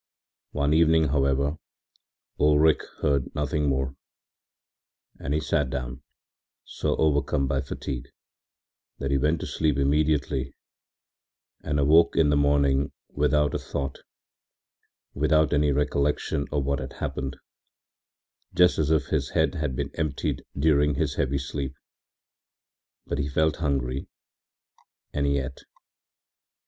One evening, however, Ulrich heard nothing more, and he sat down, so overcome by fatigue, that he went to sleep immediately and awoke in the morning without a thought, without any recollection of what had happened, just as if his head had been emptied during his heavy sleep, but he felt hungry, and he ate.